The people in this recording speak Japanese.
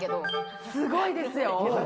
すごいですよ！